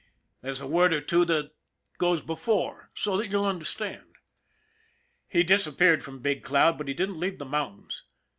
There's a word or two that goes before so that you'll understand. He disappeared from Big Cloud, but he didn't leave the mountains.